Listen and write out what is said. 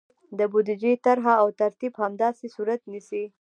د بودیجې طرحه او ترتیب همداسې صورت نیسي.